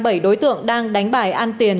bảy đối tượng đang đánh bại an tiền